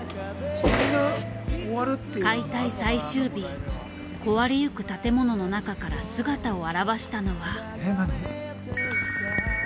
解体最終日壊れゆく建物の中から姿を現したのは巨大な梁。